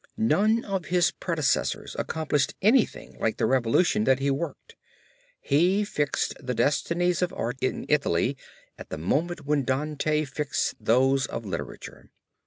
None of his predecessors accomplished anything like the revolution that he worked. He fixed the destinies of art in Italy at the moment when Dante fixed those of literature.